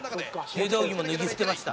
柔道着も脱ぎ捨てました」